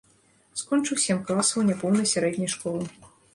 Скончыў сем класаў няпоўнай сярэдняй школы.